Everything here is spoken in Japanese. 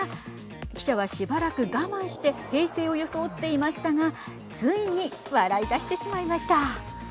記者はしばらく我慢して平静を装っていましたがついに笑いだしてしまいました。